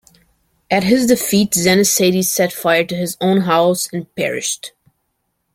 At his defeat Zenicetes set fire to his own house and perished.